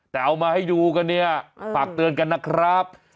แต่เอามาให้ดูกันเนี่ยฝากเตือนกันนะครับ